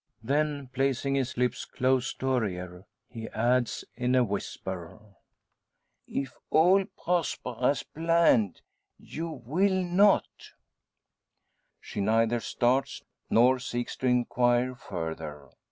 Then placing his lips close to her ear, he adds in a whisper, "If all prosper, as planned, you will not!" She neither starts, nor seeks to inquire further.